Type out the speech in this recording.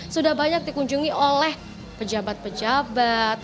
sudah banyak dikunjungi oleh pejabat pejabat